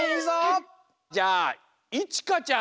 じゃあいちかちゃん。